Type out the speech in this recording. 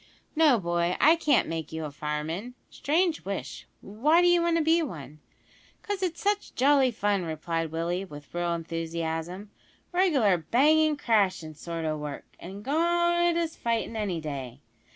"No, boy, I can't make you a fireman. Strange wish why d'you want to be one?" "'Cause it's such jolly fun," replied Willie; with real enthusiasm, "reg'lar bangin' crashin' sort o' work as good as fightin' any day!